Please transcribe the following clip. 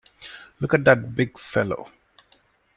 Look at that big fellow.